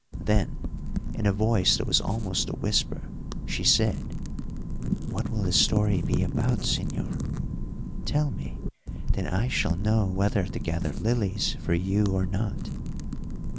Then, in a voice that was almost a whisper, she said, "What will the story be about, señor? Tell me, then I shall know whether to gather lilies for you or not."